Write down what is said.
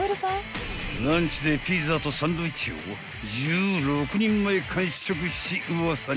［ランチでピザとサンドイッチを１６人前完食しウワサに］